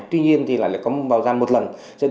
tuy nhiên thì lại có vào ra một lần